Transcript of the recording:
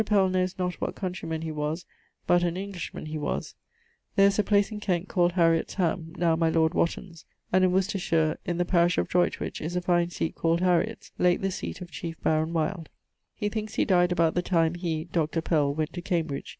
Pell knowes not what countreyman he was (but an Englishman he was) [There is a place in Kent called Harriot's ham, now my lord Wotton's[EM]; and in Wostershire in the parish of Droytwich is a fine seat called Harriots, late the seate of Chiefe Baron Wyld.] He thinkes he dyed about the time he (Dr. Pell) went to Cambridge.